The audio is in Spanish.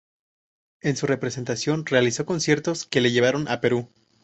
En su presentación realizó conciertos que le llevaron a Perú.